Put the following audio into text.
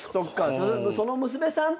その娘さんと。